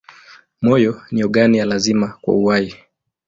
Moyo ni ogani ya lazima kwa uhai.